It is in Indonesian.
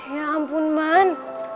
ya ampun man